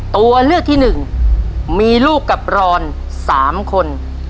ตัวเลือกที่หนึ่งมีลูกกับรอน๓คน